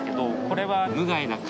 これは。